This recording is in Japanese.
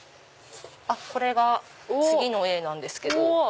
これが次のエイなんですけど。